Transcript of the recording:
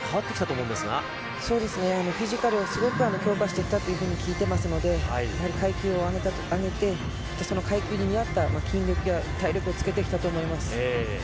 そうですね、フィジカルをすごく強化してきたというふうに聞いていますので、やはり階級を上げて、その階級に見合った筋力や体力をつけてきたと思います。